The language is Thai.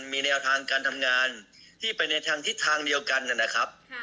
มีแนวทางการทำงานที่ไปในทางทิศทางเดียวกันนะครับ